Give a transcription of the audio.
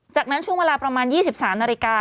จากนั้นช่วงเวลาประมาณ๒๓นาฬิกา